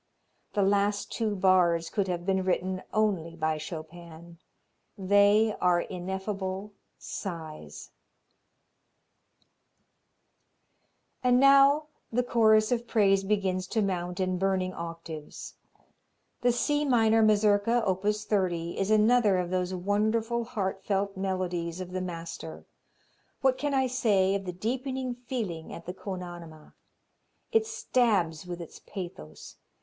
The last two bars could have been written only by Chopin. They are ineffable sighs. And now the chorus of praise begins to mount in burning octaves. The C minor Mazurka, op. 30, is another of those wonderful, heartfelt melodies of the master. What can I say of the deepening feeling at the con anima! It stabs with its pathos.